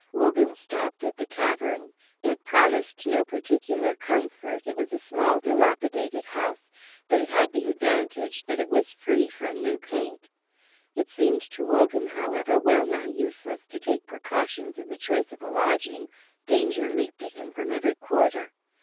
Wogan stopped at the tavern. It promised no particular comfort, it was a small dilapidated house; but it had the advantage that it was free from new paint. It seemed to Wogan, however, wellnigh useless to take precautions in the choice of a lodging; danger leaped at him from every quarter.